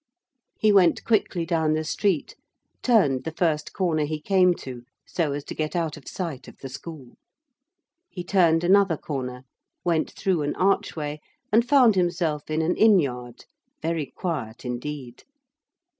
He went quickly down the street, turned the first corner he came to so as to get out of sight of the school. He turned another corner, went through an archway, and found himself in an inn yard very quiet indeed.